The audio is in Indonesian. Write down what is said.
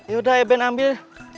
yaudah eben ambil